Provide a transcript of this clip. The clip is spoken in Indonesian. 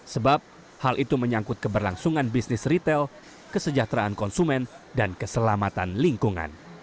sebab hal itu menyangkut keberlangsungan bisnis retail kesejahteraan konsumen dan keselamatan lingkungan